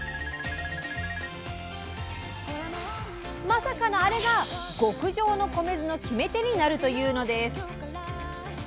まさかのあれが極上の米酢の決め手になるというのです。